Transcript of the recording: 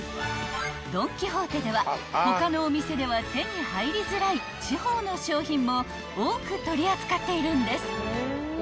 ［ドン・キホーテでは他のお店では手に入りづらい地方の商品も多く取り扱っているんです］